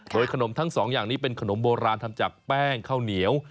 โดยขนมทั้งสองอย่างนี้เป็นขนมโบราณทำจากแป้งข้าวเหนียว